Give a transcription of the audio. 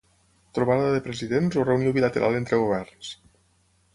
Trobada de presidents o reunió bilateral entre governs?